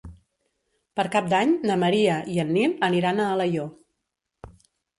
Per Cap d'Any na Maria i en Nil aniran a Alaior.